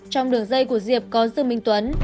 trong đường dây của diệp có dương minh tuấn